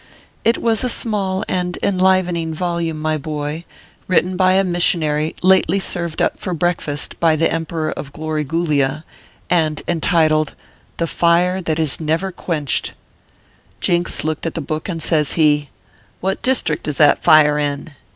It was a small and enlivening volume, my boy, written by a missionary lately served up for breakfast by the Emperor of Glorygoolia, and entitled " The Fire that Never is Quenched/ Jinks looked at the book, and says he :" What district is that fire in